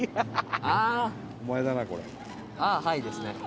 「ああはい」ですね。